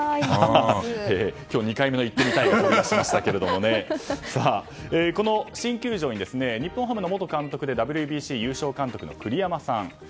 今日２回目の行ってみたいが出ましたが、この新球場に日本ハムの元監督でＷＢＣ優勝監督の栗山さん